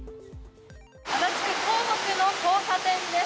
足立区の交差点です。